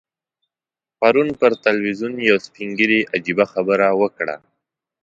پرون پر ټلویزیون یو سپین ږیري عجیبه خبره وکړه.